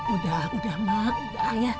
udah udah mak